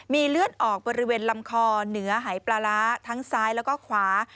มีเลือดออกบริเวณลำคอเหนือหายปลาร้าทั้งซ้ายแล้วก็ขวา